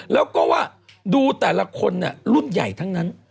แล้วก็ว่าดูแต่ละคนรุ่นใหญ่ทั้งนั้น